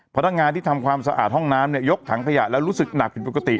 พนักงานที่ทำความสะอาดห้องน้ำเนี่ยยกถังขยะแล้วรู้สึกหนักผิดปกติ